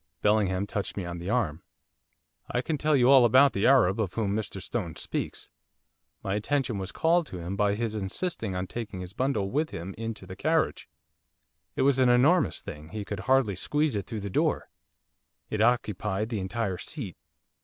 Bellingham touched me on the arm. 'I can tell you about the Arab of whom Mr Stone speaks. My attention was called to him by his insisting on taking his bundle with him into the carriage, it was an enormous thing, he could hardly squeeze it through the door; it occupied the entire seat.